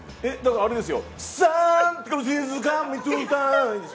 あれですよ。